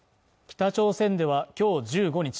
北朝鮮ではきょう１５日